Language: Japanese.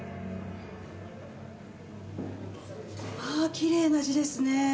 きれいな字ですね。